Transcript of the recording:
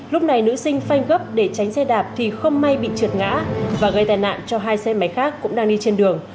lúc này nữ sinh phanh gấp để tránh xe đạp thì không may bị trượt ngã và gây tai nạn cho hai xe máy khác cũng đang đi trên đường